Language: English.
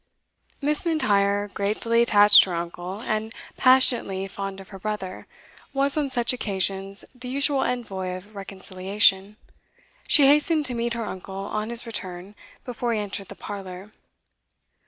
Miss M'Intyre, gratefully attached to her uncle, and passionately fond of her brother, was, on such occasions, the usual envoy of reconciliation. She hastened to meet her uncle on his return, before he entered the parlour.